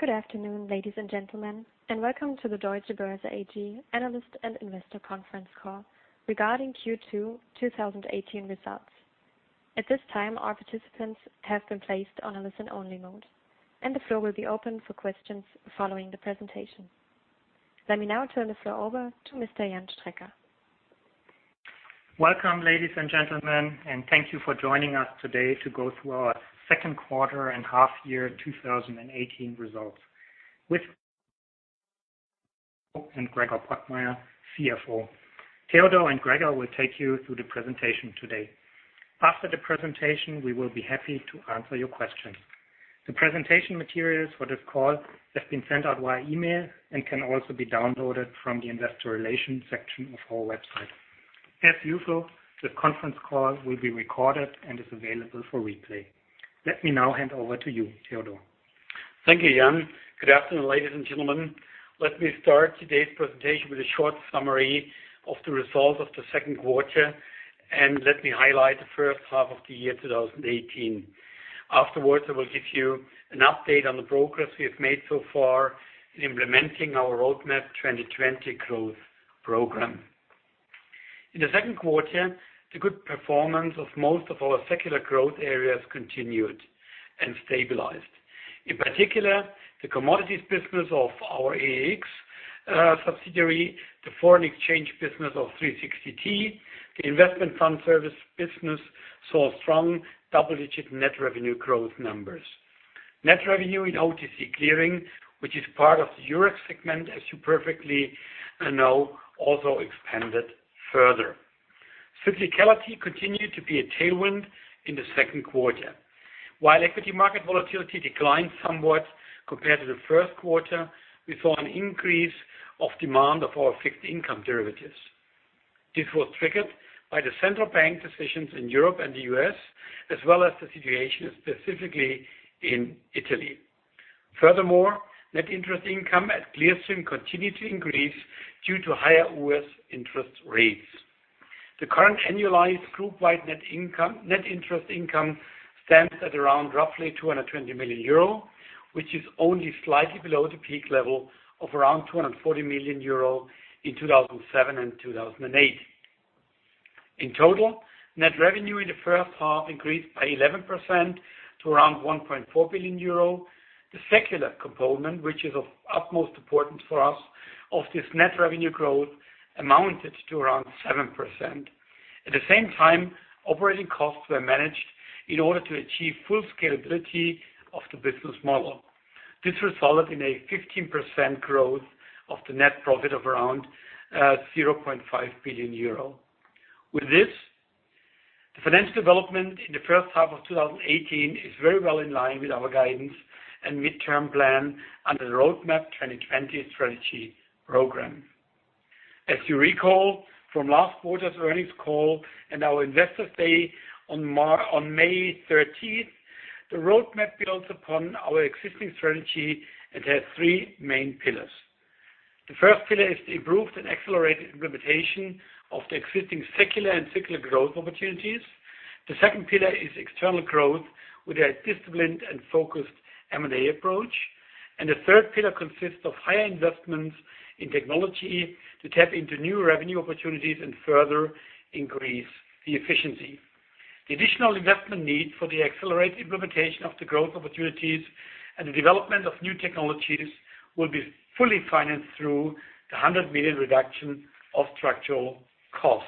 Good afternoon, ladies and gentlemen, welcome to the Deutsche Börse AG Analyst and Investor Conference Call regarding Q2 2018 results. At this time, our participants have been placed on a listen-only mode, and the floor will be open for questions following the presentation. Let me now turn the floor over to Mr. Jan Strecker. Welcome, ladies and gentlemen, thank you for joining us today to go through our second quarter and half year 2018 results. Gregor Pottmeyer, CFO. Theodor and Gregor will take you through the presentation today. After the presentation, we will be happy to answer your questions. The presentation materials for this call have been sent out via email and can also be downloaded from the investor relations section of our website. As usual, the conference call will be recorded and is available for replay. Let me now hand over to you, Theodor. Thank you, Jan. Good afternoon, ladies and gentlemen. Let me start today's presentation with a short summary of the results of the second quarter, let me highlight the first half of the year 2018. Afterwards, I will give you an update on the progress we have made so far in implementing our Roadmap 2020 growth program. In the second quarter, the good performance of most of our secular growth areas continued and stabilized. In particular, the commodities business of our EEX subsidiary, the foreign exchange business of 360T, the investment fund service business, saw strong double-digit net revenue growth numbers. Net revenue in OTC clearing, which is part of the Eurex segment, as you perfectly know, also expanded further. Cyclicality continued to be a tailwind in the second quarter. While equity market volatility declined somewhat compared to the first quarter, we saw an increase of demand of our fixed income derivatives. This was triggered by the central bank decisions in Europe and the U.S., as well as the situation specifically in Italy. Furthermore, net interest income at Clearstream continued to increase due to higher U.S. interest rates. The current annualized group-wide net interest income stands at around roughly 220 million euro, which is only slightly below the peak level of around 240 million euro in 2007 and 2008. In total, net revenue in the first half increased by 11% to around 1.4 billion euro. The secular component, which is of utmost importance for us, of this net revenue growth amounted to around 7%. At the same time, operating costs were managed in order to achieve full scalability of the business model. This resulted in a 15% growth of the net profit of around 0.5 billion euro. With this, the financial development in the first half of 2018 is very well in line with our guidance and midterm plan under the Roadmap 2020 strategy program. As you recall from last quarter's earnings call and our investor day on May 13th, the roadmap builds upon our existing strategy and has three main pillars. The first pillar is the improved and accelerated implementation of the existing secular and cyclical growth opportunities. The second pillar is external growth with a disciplined and focused M&A approach. The third pillar consists of higher investments in technology to tap into new revenue opportunities and further increase the efficiency. The additional investment need for the accelerated implementation of the growth opportunities and the development of new technologies will be fully financed through the 100 million reduction of structural cost.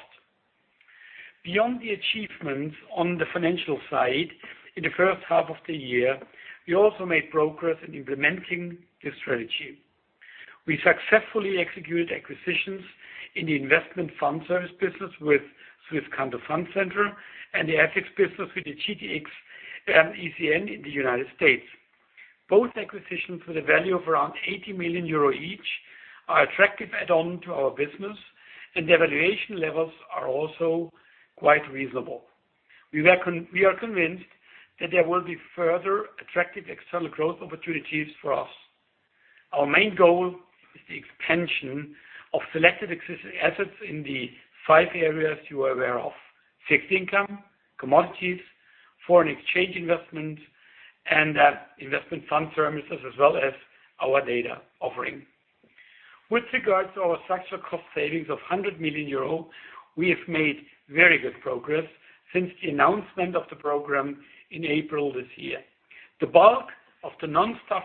Beyond the achievements on the financial side, in the first half of the year, we also made progress in implementing the strategy. We successfully executed acquisitions in the investment fund service business with Swisscanto Fund Services, and the EEX business with the GTX ECN in the U.S. Both acquisitions with a value of around 80 million euro each are attractive add-on to our business, and the evaluation levels are also quite reasonable. We are convinced that there will be further attractive external growth opportunities for us. Our main goal is the expansion of selected existing assets in the five areas you are aware of: fixed income, commodities, foreign exchange investment, and investment fund services, as well as our data offering. With regards to our structural cost savings of 100 million euro, we have made very good progress since the announcement of the program in April this year. The bulk of the non-staff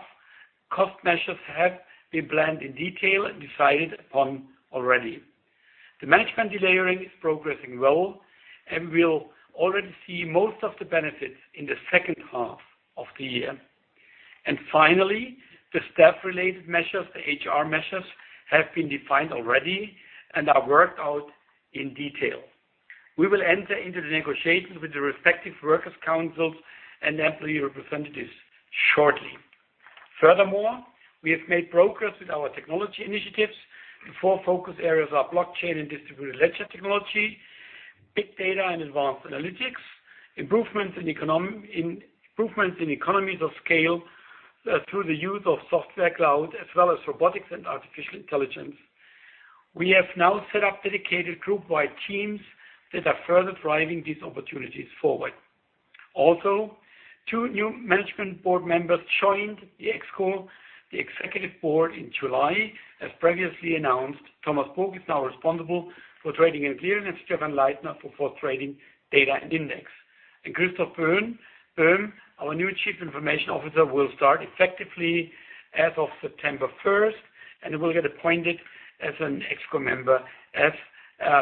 cost measures have been planned in detail and decided upon already. The management delayering is progressing well, and we will already see most of the benefits in the second half of the year. Finally, the staff-related measures, the HR measures, have been defined already and are worked out in detail. We will enter into the negotiations with the respective workers councils and employee representatives shortly. Furthermore, we have made progress with our technology initiatives. The four focus areas are blockchain and distributed ledger technology, big data and advanced analytics, improvements in economies of scale through the use of software cloud, as well as robotics and artificial intelligence. We have now set up dedicated group-wide teams that are further driving these opportunities forward. Also, two new management board members joined the ExCo, the executive board, in July. As previously announced, Thomas Book is now responsible for trading and clearing, and Stephan Leithner for trading data and index. Christoph Böhm, our new Chief Information Officer, will start effectively as of September 1st, and will get appointed as an ExCo member as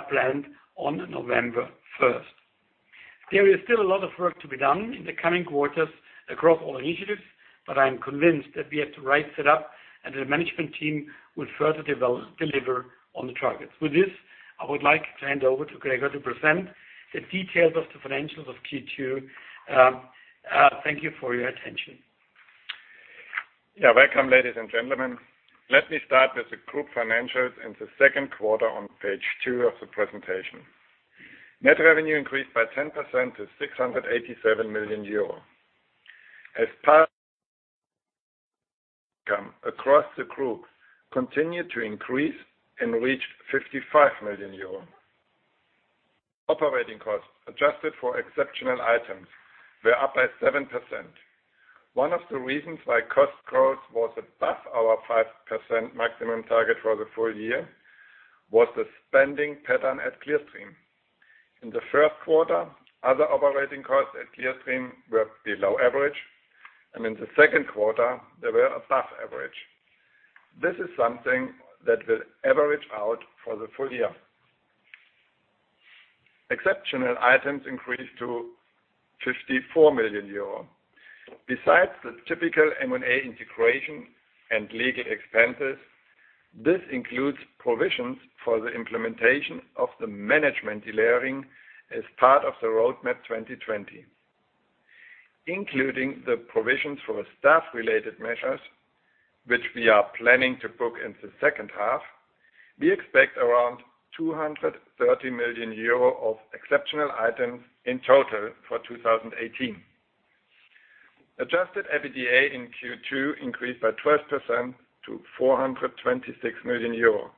planned on November 1st. There is still a lot of work to be done in the coming quarters across all initiatives, but I'm convinced that we have the right set-up, and the management team will further deliver on the targets. With this, I would like to hand over to Gregor to present the details of the financials of Q2. Thank you for your attention. Welcome, ladies and gentlemen. Let me start with the group financials in the second quarter on page two of the presentation. Net revenue increased by 10% to 687 million euro. As part- income across the group continued to increase and reached 55 million euros. Operating costs, adjusted for exceptional items, were up by 7%. One of the reasons why cost growth was above our 5% maximum target for the full year was the spending pattern at Clearstream. In the first quarter, other operating costs at Clearstream were below average, and in the second quarter they were above average. This is something that will average out for the full year. Exceptional items increased to 54 million euro. Besides the typical M&A integration and legal expenses, this includes provisions for the implementation of the management layering as part of the Roadmap 2020. Including the provisions for staff-related measures, which we are planning to book in the second half, we expect around 230 million euro of exceptional items in total for 2018. Adjusted EBITDA in Q2 increased by 12% to 426 million euro.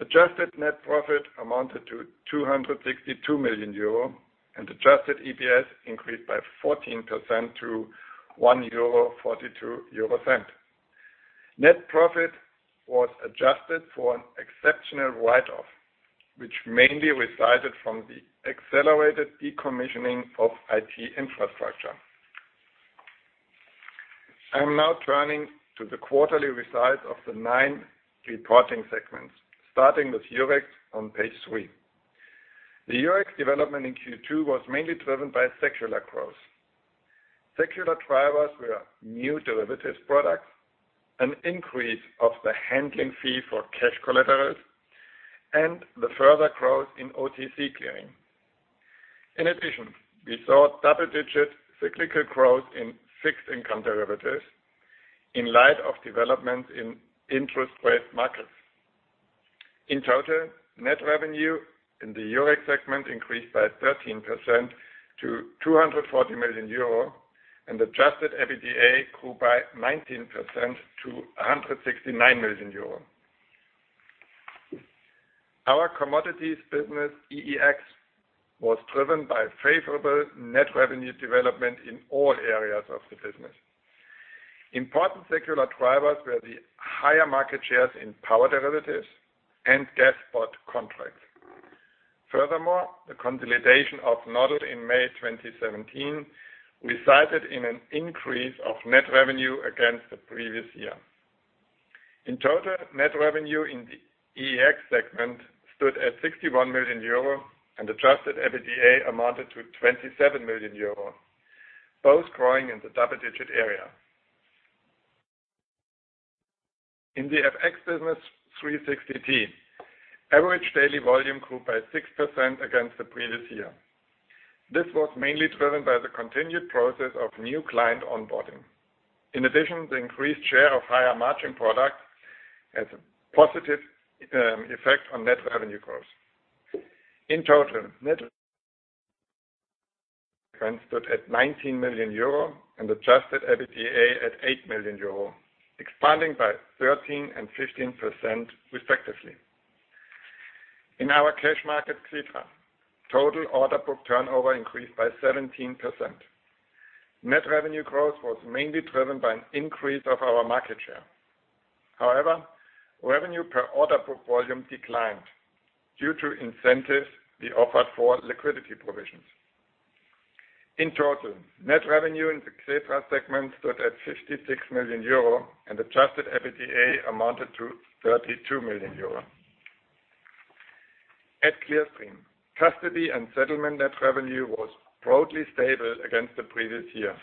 Adjusted net profit amounted to 262 million euro, and adjusted EPS increased by 14% to 1.42 euro. Net profit was adjusted for an exceptional write-off, which mainly resulted from the accelerated decommissioning of IT infrastructure. I am now turning to the quarterly results of the nine reporting segments, starting with Eurex on page three. The Eurex development in Q2 was mainly driven by secular growth. Secular drivers were new derivatives products, an increase of the handling fee for cash collaterals, and the further growth in OTC clearing. In addition, we saw double-digit cyclical growth in fixed income derivatives in light of developments in interest rate markets. In total, net revenue in the Eurex segment increased by 13% to 240 million euro, and adjusted EBITDA grew by 19% to 169 million euro. Our commodities business, EEX, was driven by favorable net revenue development in all areas of the business. Important secular drivers were the higher market shares in power derivatives and gas spot contracts. Furthermore, the consolidation of Nord Pool in May 2017 resulted in an increase of net revenue against the previous year. In total, net revenue in the EEX segment stood at 61 million euro, and adjusted EBITDA amounted to 27 million euro, both growing in the double-digit area. In the FX business 360T, average daily volume grew by 6% against the previous year. This was mainly driven by the continued process of new client onboarding. In addition, the increased share of higher-margin products has a positive effect on net revenue growth. In total, net- stood at 19 million euro and adjusted EBITDA at 8 million euro, expanding by 13% and 15%, respectively. In our cash market, Clearstream, total order book turnover increased by 17%. Net revenue growth was mainly driven by an increase of our market share. However, revenue per order book volume declined due to incentives we offered for liquidity provisions. In total, net revenue in the Clearstream segment stood at 56 million euro, and adjusted EBITDA amounted to 32 million euro. At Clearstream, custody and settlement net revenue was broadly stable against the previous year.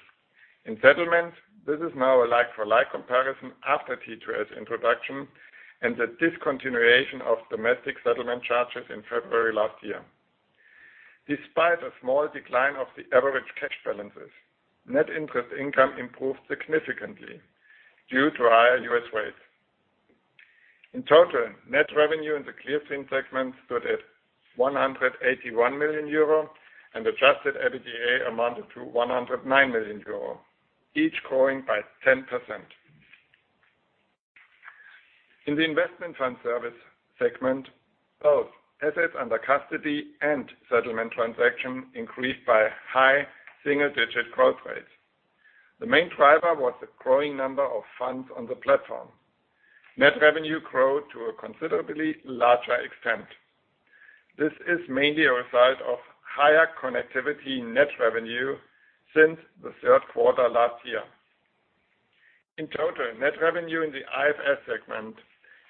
In settlement, this is now a like-for-like comparison after T2S introduction and the discontinuation of domestic settlement charges in February last year. Despite a small decline of the average cash balances, net interest income improved significantly due to higher U.S. rates. In total, net revenue in the Clearstream segment stood at 181 million euro and adjusted EBITDA amounted to 109 million euro. Each growing by 10%. In the investment fund service segment, both assets under custody and settlement transactions increased by high single-digit growth rates. The main driver was the growing number of funds on the platform. Net revenue grew to a considerably larger extent. This is mainly a result of higher connectivity net revenue since the third quarter last year. In total, net revenue in the IFS segment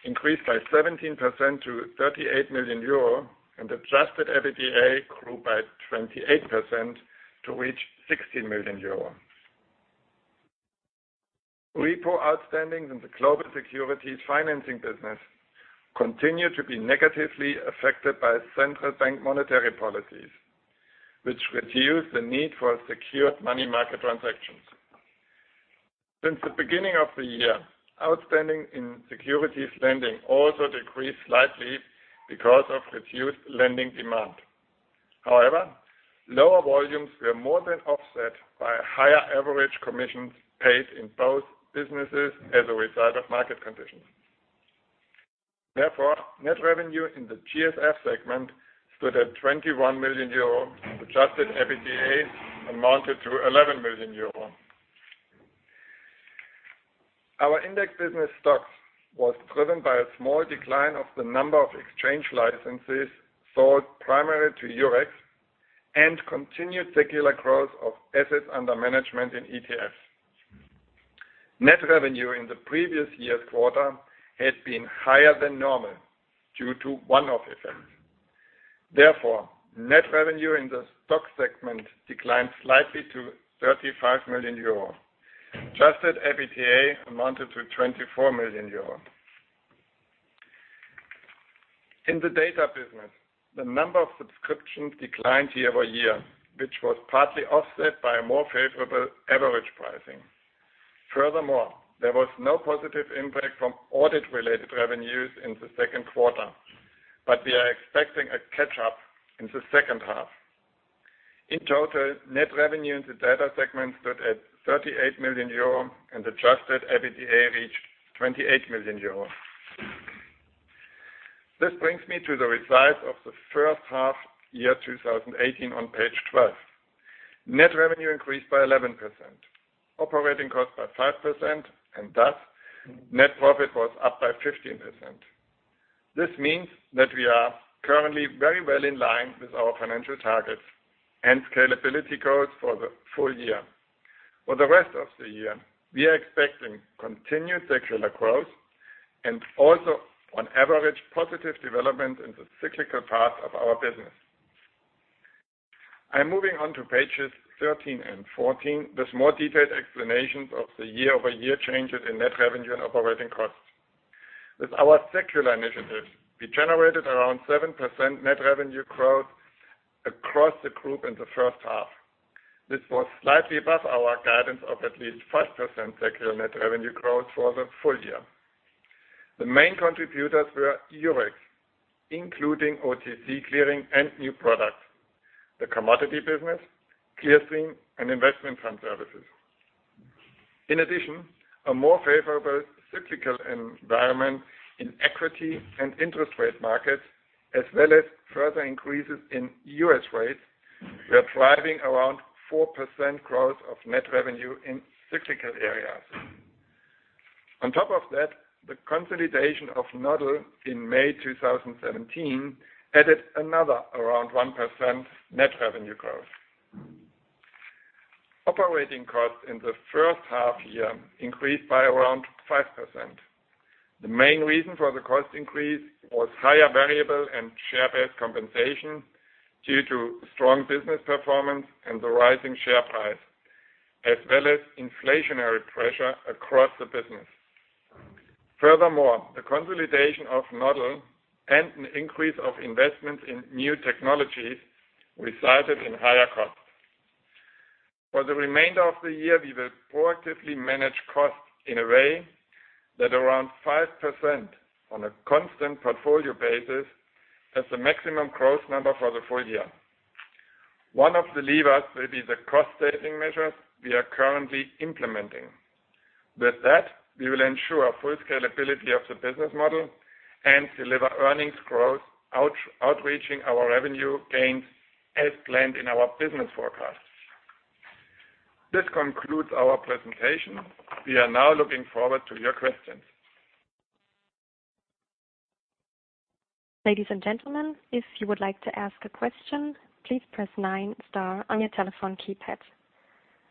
increased by 17% to 38 million euro, and adjusted EBITDA grew by 28% to reach 16 million euro. Repo outstanding in the global securities financing business continued to be negatively affected by central bank monetary policies, which reduced the need for secured money market transactions. Since the beginning of the year, outstanding in securities lending also decreased slightly because of reduced lending demand. Lower volumes were more than offset by higher average commissions paid in both businesses as a result of market conditions. Therefore, net revenue in the GSF segment stood at 21 million euro, adjusted EBITDA amounted to 11 million euro. Our index business STOXX was driven by a small decline of the number of exchange licenses sold primarily to Eurex and continued secular growth of assets under management in ETFs. Net revenue in the previous year's quarter had been higher than normal due to one-off effects. Therefore, net revenue in the STOXX segment declined slightly to 35 million euro. Adjusted EBITDA amounted to 24 million euro. In the data business, the number of subscriptions declined year-over-year, which was partly offset by more favorable average pricing. Furthermore, there was no positive impact from audit-related revenues in the second quarter, but we are expecting a catch-up in the second half. In total, net revenue in the data segment stood at 38 million euro and adjusted EBITDA reached 28 million euro. This brings me to the results of the first half year 2018 on page 12. Net revenue increased by 11%, operating cost by 5% and thus net profit was up by 15%. This means that we are currently very well in line with our financial targets and scalability goals for the full year. For the rest of the year, we are expecting continued secular growth and also on average, positive development in the cyclical part of our business. I am moving on to pages 13 and 14. There's more detailed explanations of the year-over-year changes in net revenue and operating costs. With our secular initiatives, we generated around 7% net revenue growth across the group in the first half. This was slightly above our guidance of at least 5% secular net revenue growth for the full year. The main contributors were Eurex, including OTC clearing and new products, the commodity business, Clearstream, and investment fund services. In addition, a more favorable cyclical environment in equity and interest rate markets, as well as further increases in U.S. rates, were driving around 4% growth of net revenue in cyclical areas. On top of that, the consolidation of Nord Pool in May 2017 added another around 1% net revenue growth. Operating costs in the first half year increased by around 5%. The main reason for the cost increase was higher variable and share-based compensation due to strong business performance and the rising share price, as well as inflationary pressure across the business. Furthermore, the consolidation of Nord Pool and an increase of investments in new technologies resulted in higher costs. For the remainder of the year, we will proactively manage costs in a way that around 5% on a constant portfolio basis is the maximum growth number for the full year. One of the levers will be the cost-saving measures we are currently implementing. With that, we will ensure full scalability of the business model and deliver earnings growth outreaching our revenue gains as planned in our business forecast. This concludes our presentation. We are now looking forward to your questions. Ladies and gentlemen, if you would like to ask a question, please press nine star on your telephone keypad.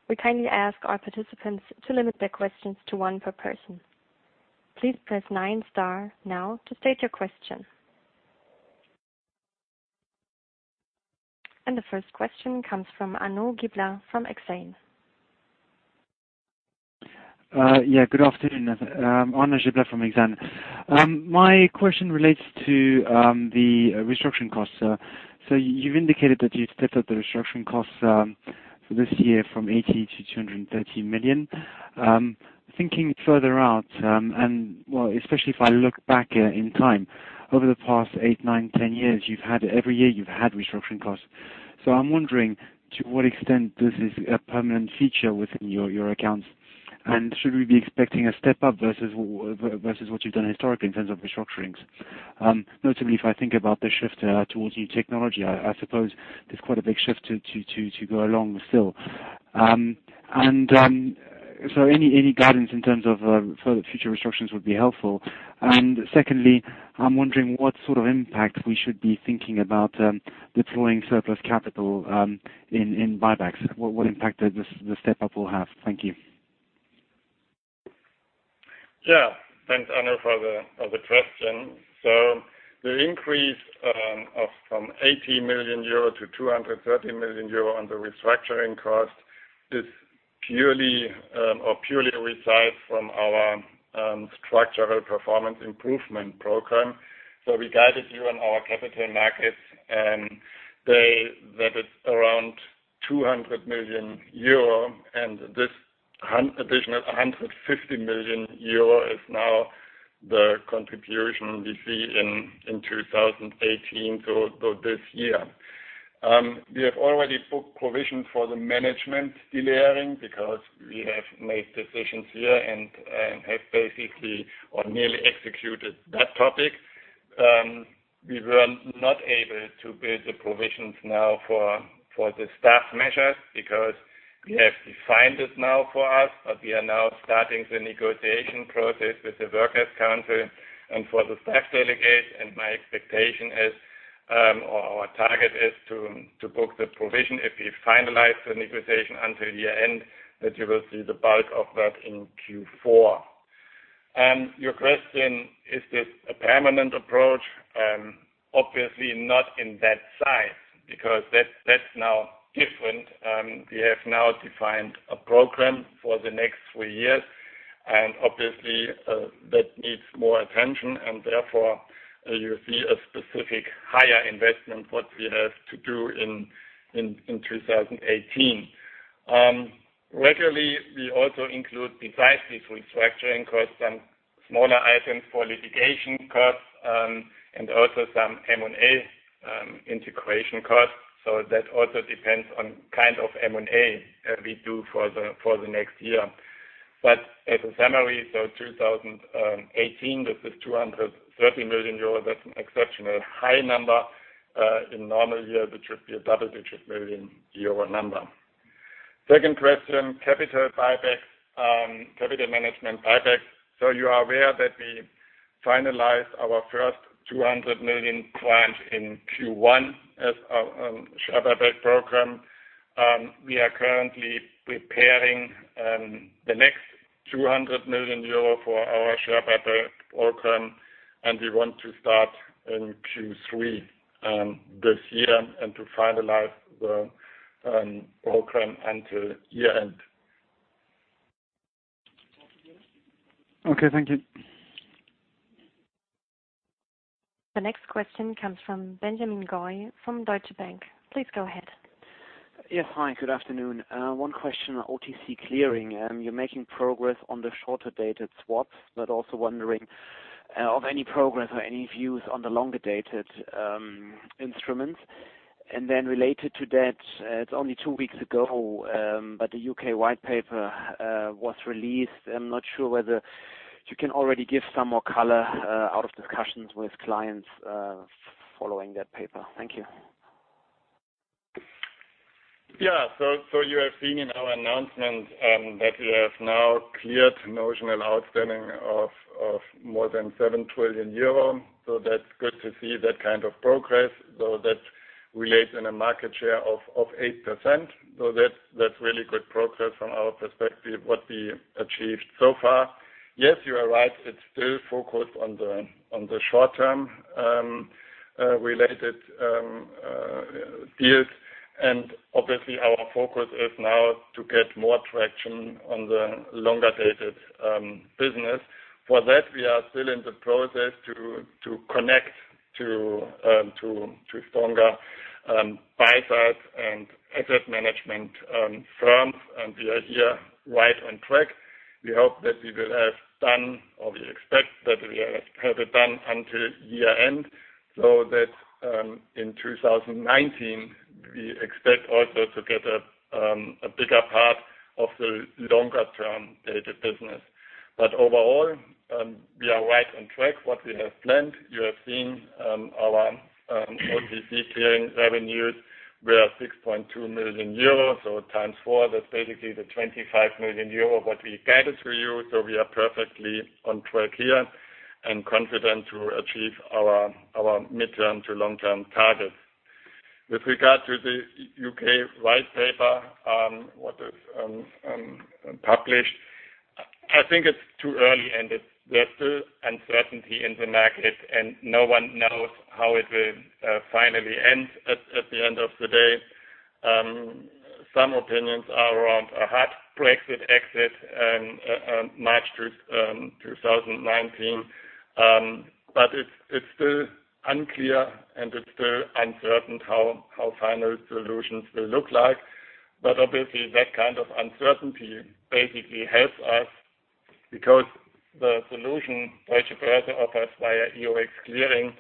We kindly ask our participants to limit their questions to one per person. Please press nine star now to state your question. The first question comes from Arnaud Giblat from Exane. Good afternoon. Arnaud Giblat from Exane. My question relates to the restructuring costs, sir. You've indicated that you've stepped up the restructuring costs for this year from 80 million to 230 million. Thinking further out, especially if I look back in time over the past eight, nine, 10 years, every year you've had restructuring costs. I'm wondering to what extent this is a permanent feature within your accounts, and should we be expecting a step-up versus what you've done historically in terms of restructurings? Notably, if I think about the shift towards new technology, I suppose there's quite a big shift to go along still. Any guidance in terms of future restructurings would be helpful. Secondly, I'm wondering what sort of impact we should be thinking about deploying surplus capital in buybacks. What impact the step-up will have. Thank you. Yeah. Thanks, Arnaud, for the question. The increase from 80 million euro to 230 million euro on the restructuring cost purely resides from our structural performance improvement program. We guided you on our capital markets day that it's around 200 million euro, and this additional 150 million euro is now the contribution we see in 2018 to this year. We have already booked provision for the management delayering because we have made decisions here and have basically or nearly executed that topic. We were not able to build the provisions now for the staff measures because we have defined it now for us, but we are now starting the negotiation process with the workers' council and for the staff delegates. My expectation is, or our target is to book the provision if we finalize the negotiation until year-end, that you will see the bulk of that in Q4. Your question, is this a permanent approach? Obviously not in that size, because that's now different. We have now defined a program for the next three years, and obviously that needs more attention and therefore you see a specific higher investment what we have to do in 2018. Regularly, we also include, besides these restructuring costs, some smaller items for litigation costs, and also some M&A integration costs. That also depends on kind of M&A that we do for the next year. As a summary, 2018, this is 230 million euro. That's an exceptional high number. In normal years, it would be a double-digit million EUR number. Second question, capital management buybacks. You are aware that we finalized our first 200 million planned in Q1 as our share buyback program. We are currently preparing the next 200 million euro for our share buyback program, we want to start in Q3 this year and to finalize the program until year-end. Okay, thank you. The next question comes from Benjamin Goy from Deutsche Bank. Please go ahead. Yes. Hi, good afternoon. One question on OTC clearing. You're making progress on the shorter-dated swaps, but also wondering of any progress or any views on the longer-dated instruments. Related to that, it's only two weeks ago, but the U.K. White Paper was released. I'm not sure whether you can already give some more color out of discussions with clients following that paper. Thank you. Yeah. You have seen in our announcement that we have now cleared notional outstanding of more than 7 trillion euro. That's good to see that kind of progress. That relates in a market share of 8%. That's really good progress from our perspective, what we achieved so far. Yes, you are right. It's still focused on the short-term related deals, and obviously our focus is now to get more traction on the longer-dated business. For that, we are still in the process to connect to stronger buy-side and asset management firms, and we are here right on track. We hope that we will have done, or we expect that we have it done until year-end, so that in 2019, we expect also to get a bigger part of the longer-term dated business. Overall, we are right on track what we have planned. You have seen our OTC clearing revenues were 6.2 million euros. Times four, that's basically the 25 million euros what we guided to you. We are perfectly on track here and confident to achieve our midterm to long-term targets. With regard to the U.K. White Paper, what is published, I think it's too early and there's still uncertainty in the market and no one knows how it will finally end at the end of the day. Some opinions are around a hard Brexit exit March 2019. It's still unclear and it's still uncertain how final solutions will look like. Obviously, that kind of uncertainty basically helps us because the solution Deutsche Börse offers via Eurex Clearing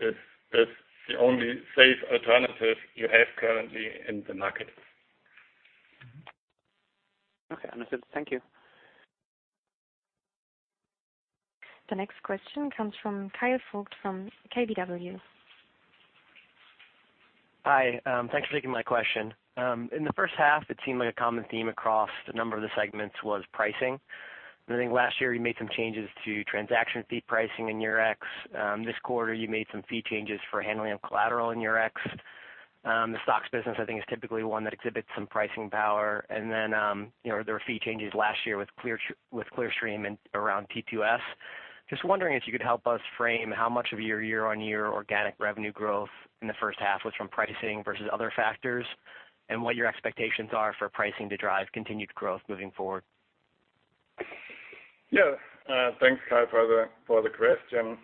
is the only safe alternative you have currently in the market. Okay, understood. Thank you. The next question comes from Kyle Vogt from KBW. Hi. Thanks for taking my question. In the first half, it seemed like a common theme across a number of the segments was pricing. I think last year you made some changes to transaction fee pricing in Eurex. This quarter, you made some fee changes for handling of collateral in Eurex. The STOXX business, I think, is typically one that exhibits some pricing power. There were fee changes last year with Clearstream and around T2S. Just wondering if you could help us frame how much of your year-on-year organic revenue growth in the first half was from pricing versus other factors, and what your expectations are for pricing to drive continued growth moving forward. Yeah. Thanks, Kyle, for the question.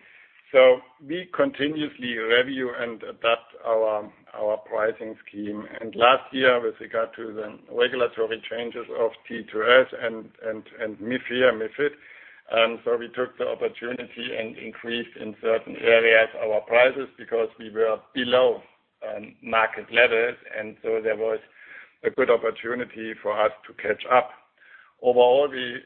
We continuously review and adapt our pricing scheme. Last year, with regard to the regulatory changes of T2S and MiFIR, MiFID. We took the opportunity and increased in certain areas our prices because we were below market levels, there was a good opportunity for us to catch up. Overall, we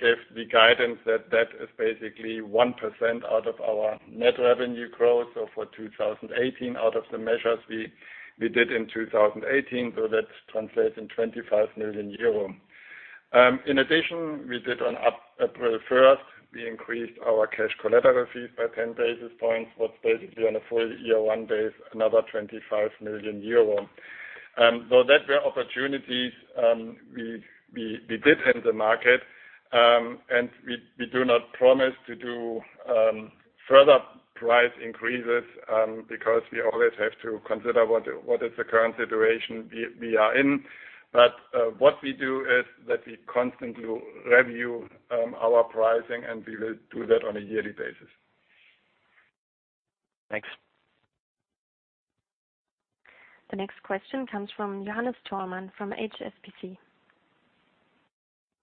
gave the guidance that that is basically 1% out of our net revenue growth. For 2018, out of the measures we did in 2018, that translates in 25 million euro. In addition, we did on April 1st, we increased our cash collateral fees by 10 basis points. What's basically on a full year basis, another 25 million euro. That were opportunities. We did hit the market, we do not promise to do further price increases, because we always have to consider what is the current situation we are in. What we do is that we constantly review our pricing, and we will do that on a yearly basis. Thanks. The next question comes from Johannes Thormann from HSBC.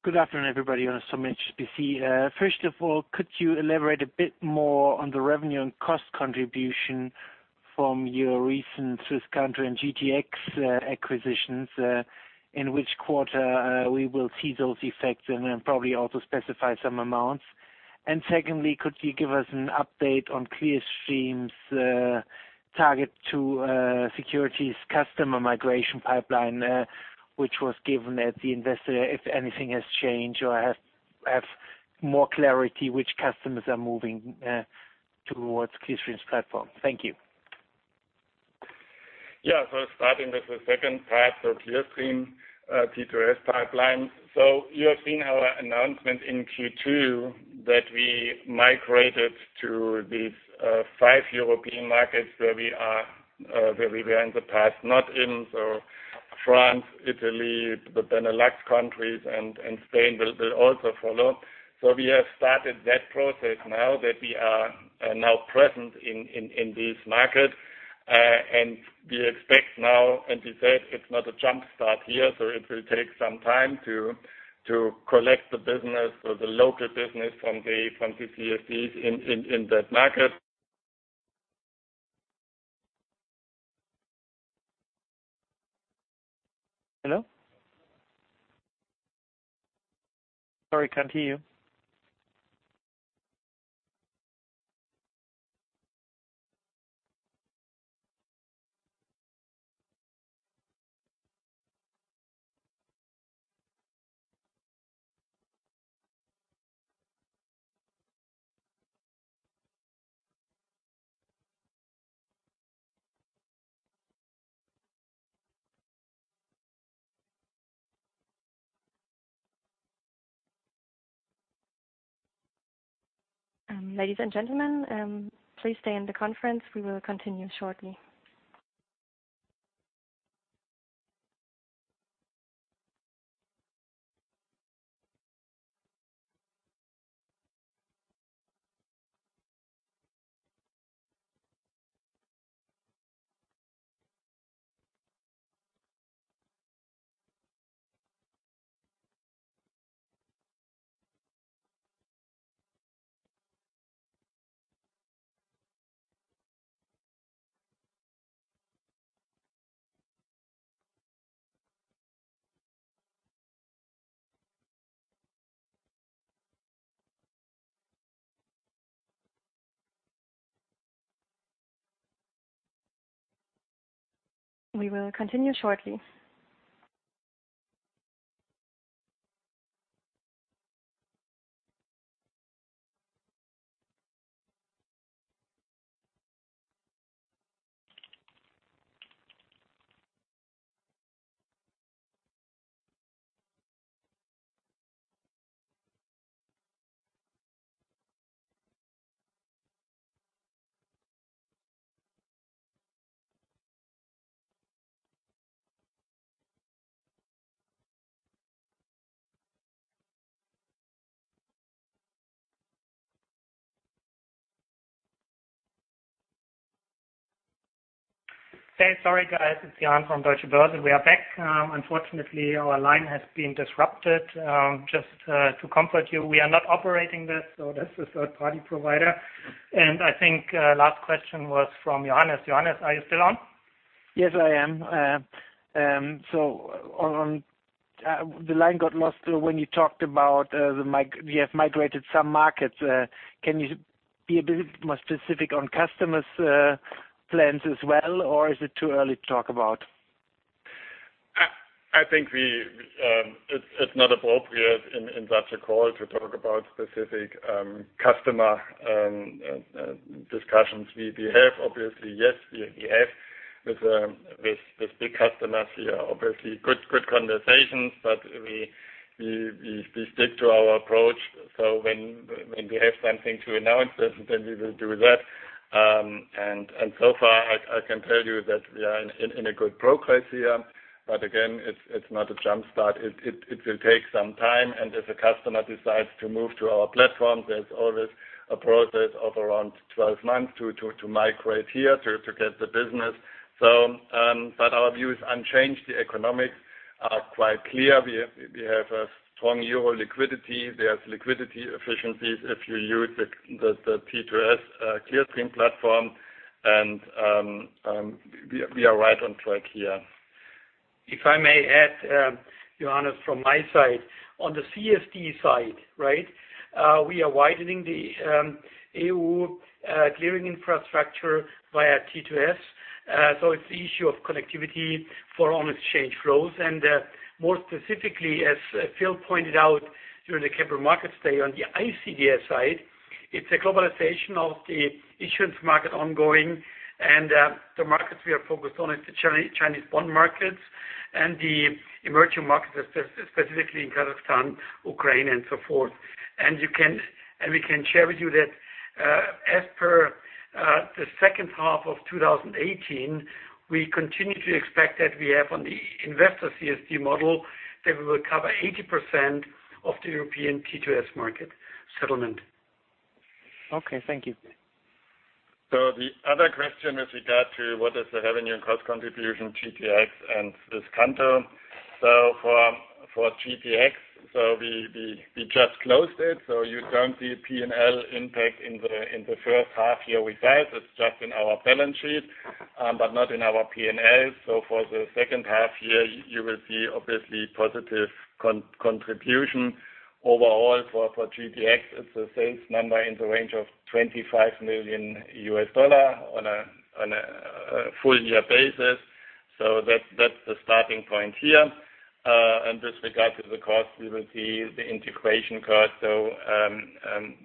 Good afternoon, everybody. Johannes Thormann, HSBC. First of all, could you elaborate a bit more on the revenue and cost contribution from your recent Swisscanto and GTX acquisitions, in which quarter we will see those effects and then probably also specify some amounts. Secondly, could you give us an update on Clearstream's TARGET2-Securities customer migration pipeline, which was given at the investor, if anything has changed or have more clarity which customers are moving towards Clearstream's platform. Thank you. Yeah. Starting with the second part, Clearstream T2S pipeline. You have seen our announcement in Q2 that we migrated to these five European markets where we were in the past, not in. France, Italy, the Benelux countries, Spain will also follow. We have started that process now that we are now present in this market. We expect now, and we said it's not a jump start here, it will take some time to collect the business or the local business from the CSDs in that market. Hello? Sorry, can't hear you. Ladies and gentlemen, please stay in the conference. We will continue shortly. Hey, sorry guys. It's Jan from Deutsche Börse. We are back. Unfortunately, our line has been disrupted. Just to comfort you, we are not operating this. This is a party provider. I think last question was from Johannes. Johannes, are you still on? Yes, I am. On, the line got lost when you talked about you have migrated some markets. Can you be a bit more specific on customers plans as well, or is it too early to talk about? I think it's not appropriate in such a call to talk about specific customer discussions we have. Obviously, yes, we have with these big customers here. Obviously good conversations. We stick to our approach. When we have something to announce, then we will do that. So far, I can tell you that we are in a good progress here. Again, it's not a jump start. It will take some time, and if a customer decides to move to our platform, there's always a process of around 12 months to migrate here to get the business. Our view is unchanged. The economics are quite clear. We have a strong euro liquidity. There's liquidity efficiencies if you use the T2S Clearstream platform. We are right on track here. If I may add, Johannes, from my side. On the CSD side, we are widening the EU clearing infrastructure via T2S. It's the issue of connectivity for on-exchange flows. More specifically, as Philip pointed out during the Capital Markets Day on the ICSD side, it's a globalization of the issuance market ongoing. The markets we are focused on is the Chinese bond markets and the emerging markets, specifically in Kazakhstan, Ukraine, and so forth. We can share with you that as per the second half of 2018, we continue to expect that we have on the Investor CSD model that we will cover 80% of the European T2S market settlement. Okay. Thank you. The other question with regard to what is the revenue and cost contribution, GTX and Swisscanto. For GTX, we just closed it. You don't see P&L impact in the first half year. We said it's just in our balance sheet, but not in our P&L. For the second half year, you will see obviously positive contribution. Overall for GTX, it's a sales number in the range of $25 million on a full year basis. That's the starting point here. With regard to the cost, we will see the integration cost.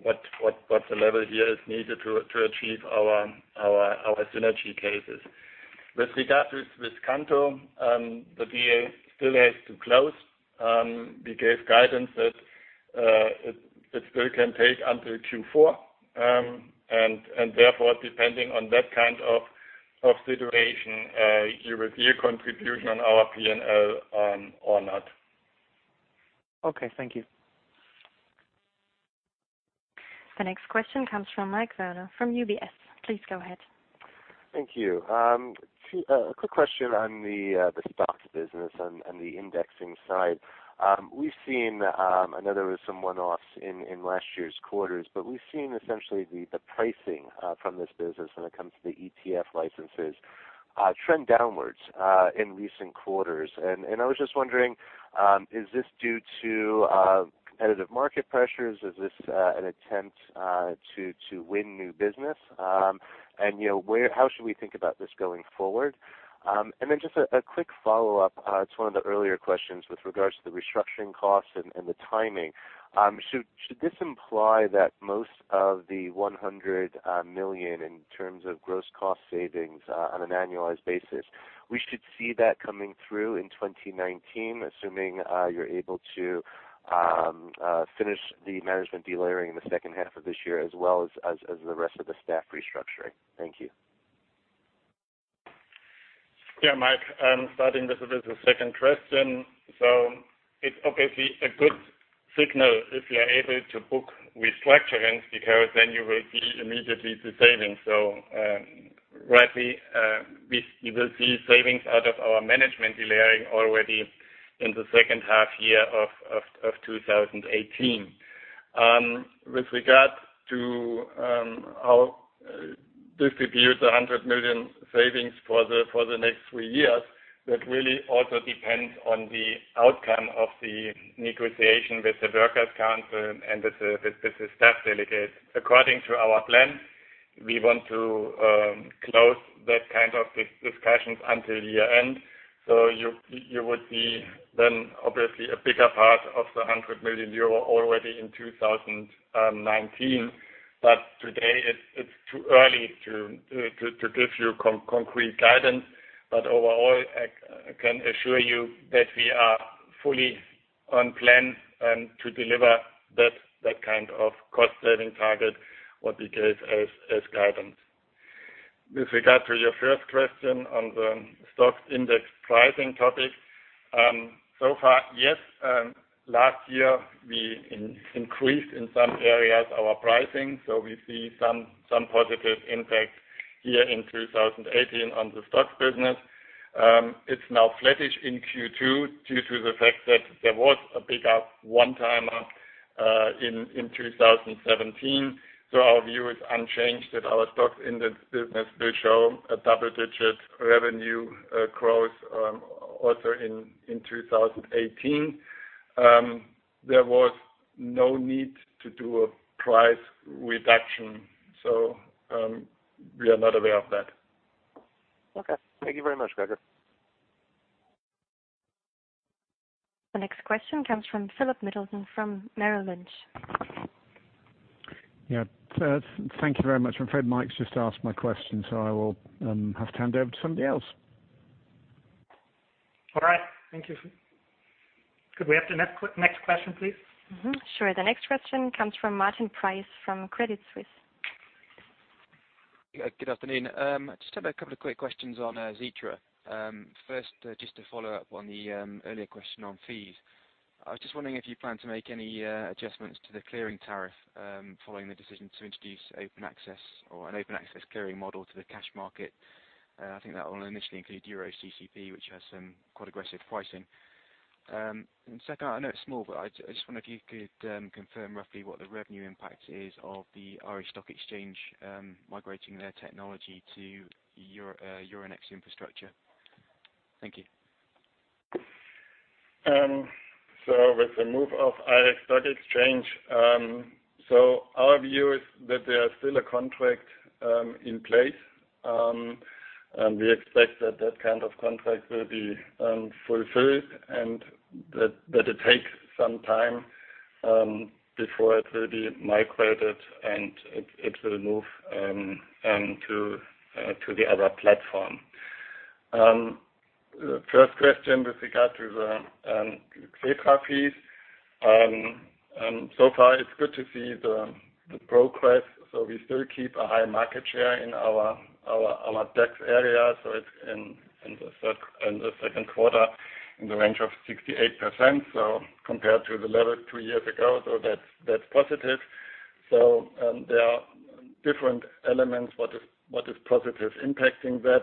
What the level here is needed to achieve our synergy cases. With regard to Swisscanto, the deal still has to close. We gave guidance that it still can take until Q4. Therefore, depending on that kind of situation, you will see a contribution on our P&L or not. Okay. Thank you. The next question comes from Michael Werner from UBS. Please go ahead. Thank you. A quick question on the STOXX business and the indexing side. We've seen, I know there was some one-offs in last year's quarters, but we've seen essentially the pricing from this business when it comes to the ETFs licenses trend downwards in recent quarters. I was just wondering, is this due to competitive market pressures? Is this an attempt to win new business? How should we think about this going forward? Then just a quick follow-up to one of the earlier questions with regards to the restructuring costs and the timing. Should this imply that most of the 100 million in terms of gross cost savings on an annualized basis, we should see that coming through in 2019, assuming you're able to finish the management delayering in the second half of this year as well as the rest of the staff restructuring? Thank you. Yeah, Mike, starting with the second question. It's obviously a good signal if you are able to book with slack trends because then you will see immediately the savings. Rightly you will see savings out of our management delayering already in the second half year of 2018. With regard to how distribute the 100 million savings for the next three years, that really also depends on the outcome of the negotiation with the workers council and with the staff delegates. According to our plan, we want to close that kind of discussions until the end. You would see then obviously a bigger part of the 100 million euro already in 2019. Today it's too early to give you concrete guidance. Overall, I can assure you that we are fully on plan and to deliver that kind of cost-saving target what we gave as guidance. With regard to your first question on the STOXX index pricing topic. So far, yes, last year we increased in some areas our pricing, we see some positive impact here in 2018 on the STOXX business. It's now flattish in Q2 due to the fact that there was a big one-timer in 2017. Our view is unchanged that our STOXX index business will show a double-digit revenue growth also in 2018. There was no need to do a price reduction. We are not aware of that. Okay. Thank you very much, Gregor. The next question comes from Philip Middleton from Merrill Lynch. Yeah. Thank you very much. I'm afraid Mike's just asked my question, I will have to hand over to somebody else. All right. Thank you, Philip. Could we have the next question, please? Sure. The next question comes from Martin Price from Credit Suisse. Good afternoon. Just have a couple of quick questions on Xetra. First, just to follow up on the earlier question on fees. I was just wondering if you plan to make any adjustments to the clearing tariff, following the decision to introduce open access or an open access clearing model to the cash market. I think that will initially include EuroCCP, which has some quite aggressive pricing. Second, I know it's small, but I just wonder if you could confirm roughly what the revenue impact is of the Irish Stock Exchange migrating their technology to Euronext infrastructure. Thank you. With the move of Irish Stock Exchange, our view is that there are still a contract in place, and we expect that that kind of contract will be fulfilled and that it takes some time before it will be migrated, and it will move to the other platform. The first question with regard to the Zetral fees. Far, it's good to see the progress. We still keep a high market share in our DAX area, it's in the second quarter in the range of 68%, compared to the level two years ago, that's positive. There are different elements what is positive impacting that.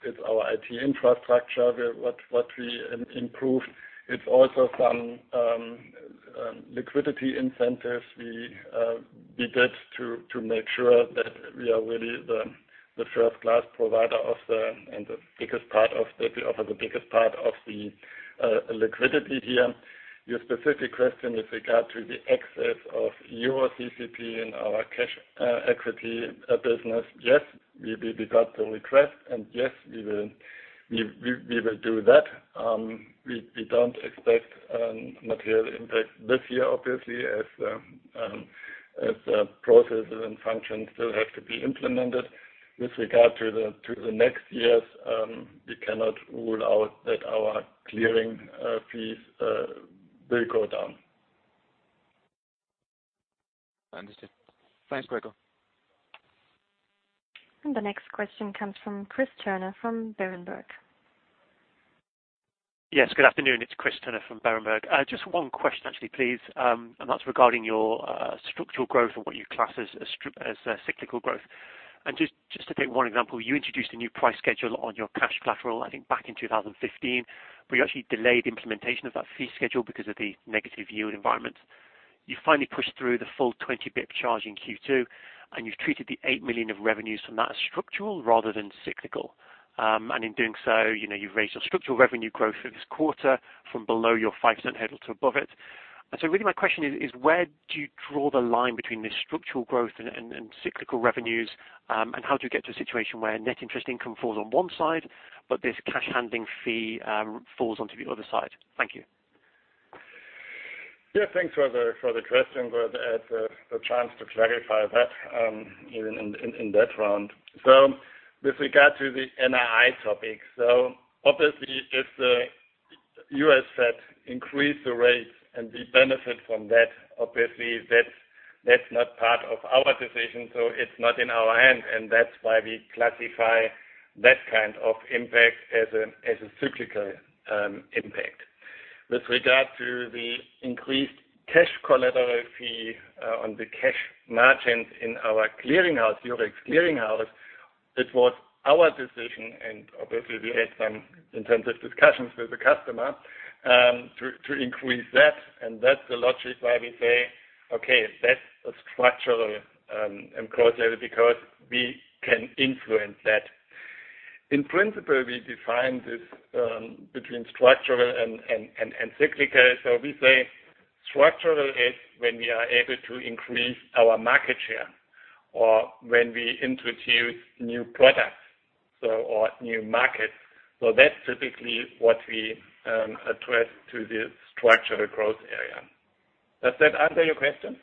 It's our IT infrastructure, what we improved. It's also some liquidity incentives we did to make sure that we are really the first-class provider and we offer the biggest part of the liquidity here. Your specific question with regard to the access of EuroCCP in our cash equity business. Yes, we got the request, and yes, we will do that. We don't expect material impact this year, obviously, as processes and functions still have to be implemented. With regard to the next years, we cannot rule out that our clearing fees will go down. Understood. Thanks, Gregor. The next question comes from Chris Turner from Berenberg. Yes, good afternoon. It's Chris Turner from Berenberg. Just one question, actually, please, that's regarding your structural growth and what you class as cyclical growth. Just to take one example, you introduced a new price schedule on your cash collateral, I think back in 2015, but you actually delayed implementation of that fee schedule because of the negative yield environment. You finally pushed through the full 20 pip charge in Q2, You've treated the 8 million of revenues from that as structural rather than cyclical. In doing so, you've raised your structural revenue growth for this quarter from below your 5% hurdle to above it. Really my question is, where do you draw the line between the structural growth and cyclical revenues? How do you get to a situation where net interest income falls on one side, but this cash handling fee falls onto the other side? Thank you. Yeah, thanks for the question, good to have the chance to clarify that in that round. With regard to the NII topic, obviously if the U.S. Fed increase the rates and we benefit from that, obviously that's not part of our decision, it's not in our hand, and that's why we classify that kind of impact as a cyclical impact. With regard to the increased cash collateral fee on the cash margins in our Eurex Clearing, it was our decision, and obviously we had some intensive discussions with the customer, to increase that, and that's the logic why we say, okay, that's a structural growth area because we can influence that. In principle, we define this between structural and cyclical. We say structural is when we are able to increase our market share or when we introduce new products, or new markets. That's typically what we address to the structural growth area. Does that answer your question?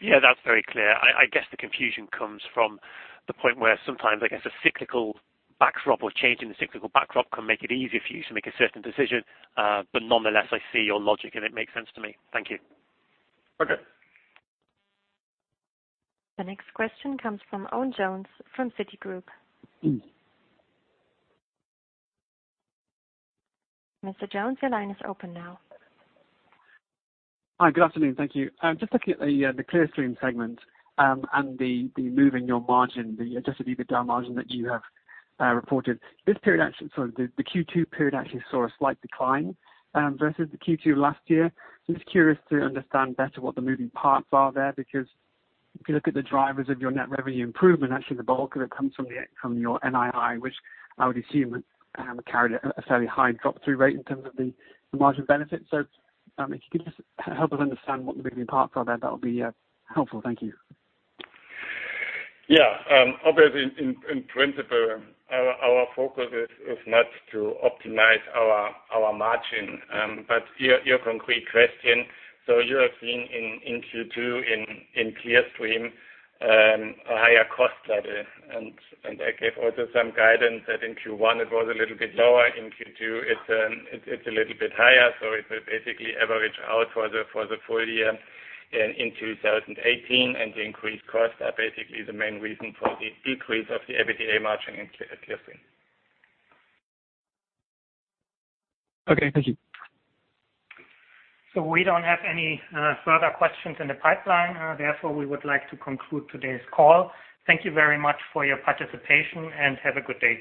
Yeah, that's very clear. I guess the confusion comes from the point where sometimes, I guess, a cyclical backdrop or change in the cyclical backdrop can make it easier for you to make a certain decision. Nonetheless, I see your logic, and it makes sense to me. Thank you. Okay. The next question comes from Owen Jones from Citigroup. Mr. Jones, your line is open now. Hi, good afternoon. Thank you. Just looking at the Clearstream segment, and the move in your margin, the adjusted EBITDA margin that you have reported. The Q2 period actually saw a slight decline versus the Q2 last year. Just curious to understand better what the moving parts are there, because if you look at the drivers of your NII improvement, actually the bulk of it comes from your NII, which I would assume carried a fairly high drop-through rate in terms of the margin benefit. If you could just help us understand what the moving parts are there, that would be helpful. Thank you. Yeah. Obviously, in principle, our focus is not to optimize our margin. Your concrete question, you have seen in Q2 in Clearstream, a higher cost level. I gave also some guidance that in Q1 it was a little bit lower. In Q2 it's a little bit higher. It will basically average out for the full year in 2018. The increased costs are basically the main reason for the decrease of the EBITDA margin in Clearstream. Okay, thank you. We don't have any further questions in the pipeline. Therefore, we would like to conclude today's call. Thank you very much for your participation, and have a good day.